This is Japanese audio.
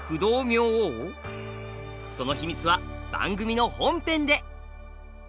そのヒミツは番組の本編で！